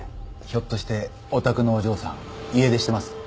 ひょっとしてお宅のお嬢さん家出してます？